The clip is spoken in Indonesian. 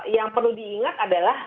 yang perlu diingat adalah